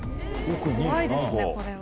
怖いですねこれは。